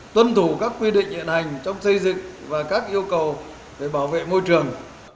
tuân thủ các quy định hiện hành trong xây dựng và các yêu cầu về bảo vệ môi trường